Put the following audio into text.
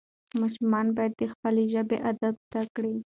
ماشومان باید د خپلې ژبې ادب زده کړي.